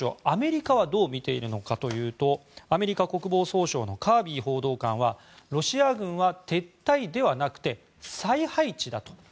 アメリカはどう見ているのかというとアメリカ国防総省のカービー報道官はロシア軍は撤退ではなくて再配置だと。